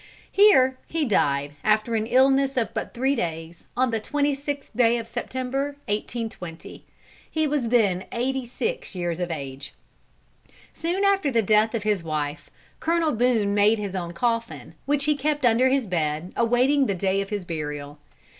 Here he died after an illness of but three days, on the 26th day of September, 1820. He was then eighty six years of age. Soon after the death of his wife, Colonel Boone made his own coffin, which he kept under his bed awaiting the day of his burial.